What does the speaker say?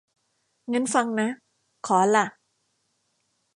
งั้นฟังนะ ขอล่ะ